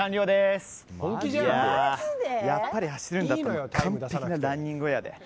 やっぱり走るんだったら完璧なランニングウェアで。